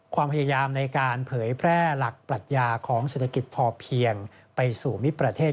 ความพยายามในการเผยแพร่หลักปรัชญาของเศรษฐกิจพอเพียงไปสู่มิตรประเทศ